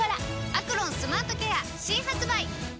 「アクロンスマートケア」新発売！